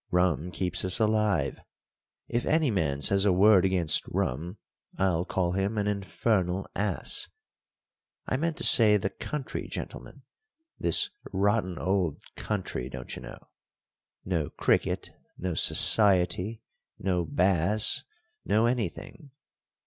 Rum keeps us alive. If any man says a word against rum, I'll call him an infernal ass. I meant to say the country, gentlemen this rotten old country, don't you know. No cricket, no society, no Bass, no anything.